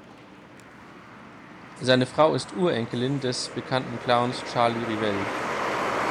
Seine Frau ist Urenkelin des bekannten Clowns Charlie Rivel.